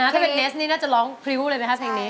เพลงนี้เนสน่าจะร้องพริ้วเลยไหมครับ